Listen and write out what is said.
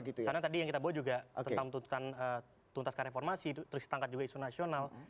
karena tadi yang kita bawa juga tentang tuntaskan reformasi terus ditangkap juga isu nasional